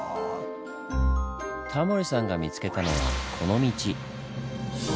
タモリさんが見つけたのはこの道。